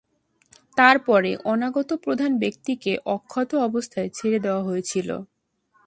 তারপরে অনাগত প্রধান ব্যক্তিকে অক্ষত অবস্থায় ছেড়ে দেওয়া হয়েছিল।